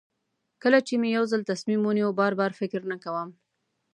کله چې مې یو ځل تصمیم ونیو بار بار فکر نه کوم.